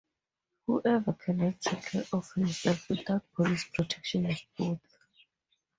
Whoever cannot take care of himself without police protection is both.